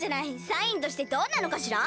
サインとしてどうなのかしら？